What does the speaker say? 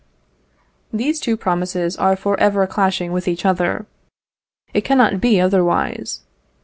These two promises are for ever clashing with each other; it cannot be otherwise.